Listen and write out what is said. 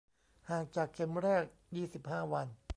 ห่างจากเข็มแรกยี่สิบห้าวัน